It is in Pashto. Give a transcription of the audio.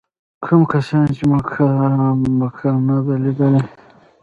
کوم کسان چې مکه نه ده لیدلې.